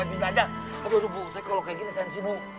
aduh aduh bu saya kalau kaya gini saya sibuk